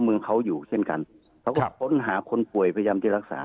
เมืองเขาอยู่เช่นกันเขาก็ค้นหาคนป่วยพยายามจะรักษา